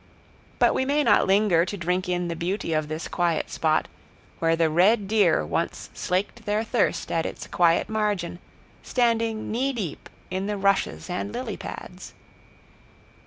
But we may not linger to drink in the beauty of this quiet spot, where the red deer once slaked their thirst at its quiet margin, standing kneedeep in the rushes and lilypads.